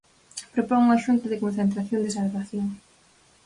Propón unha xunta de concentración, de salvación.